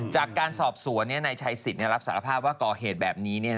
จากการสอบสวนนายชัยสิทธิ์รับสารภาพว่าก่อเหตุแบบนี้